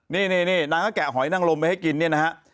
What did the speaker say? นี่นี่นี่นางก็แกะหอยนั่งลมไปให้กิน